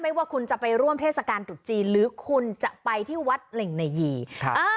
ไม่ว่าคุณจะไปร่วมเทศกาลตุจีนหรือคุณจะไปที่วัดเหล็กในมือฮา